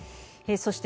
そして